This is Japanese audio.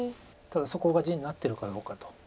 ただそこが地になってるかどうかと。